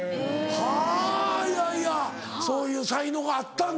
はぁいやいやそういう才能があったんだ。